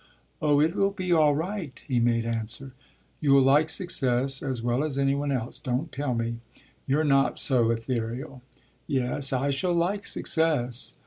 "Oh it will be all right!" he made answer. "You'll like success as well as any one else. Don't tell me you're not so ethereal!" "Yes, I shall like success."